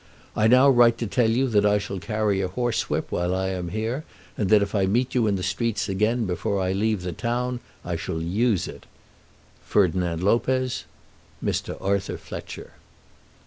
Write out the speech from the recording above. I now write to tell you that I shall carry a horsewhip while I am here, and that if I meet you in the streets again before I leave the town I shall use it. FERDINAND LOPEZ. Mr. Arthur Fletcher.